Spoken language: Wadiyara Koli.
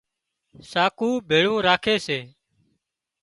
ساڪو ڀيۯون راکي سي